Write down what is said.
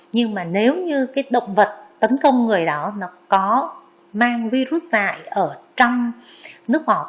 nhưng mà nếu như cái động vật tấn công người đó nó có mang virus dại ở trong nước ngọt